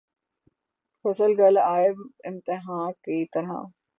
فصل گل آئی امتحاں کی طرح